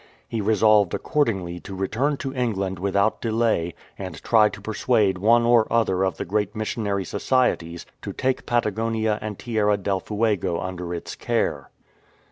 He resolved accordingly to return to England without delay, and try to persuade one or other of the great missionary societies to take Patagonia and Tierra del Fuego under its care.